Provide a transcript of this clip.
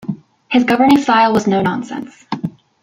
His governing style was no-nonsense.